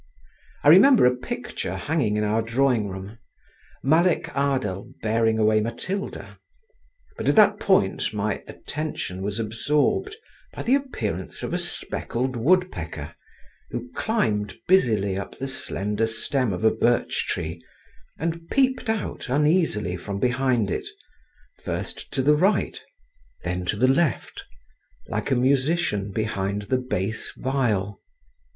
I remembered a picture hanging in our drawing room—Malek Adel bearing away Matilda—but at that point my attention was absorbed by the appearance of a speckled woodpecker who climbed busily up the slender stem of a birch tree and peeped out uneasily from behind it, first to the right, then to the left, like a musician behind the bass viol.